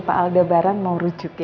pak aldebaran mau rujuk ya